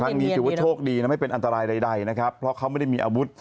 นี้ถือว่าโชคดีนะไม่เป็นอันตรายใดนะครับเพราะเขาไม่ได้มีอาวุธ